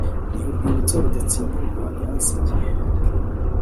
ni urwibutso rudatsimburwa yansigiye